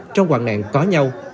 trong hoạn nạn có nhau